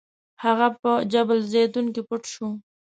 هغه په جبل الزیتون کې پټ شو.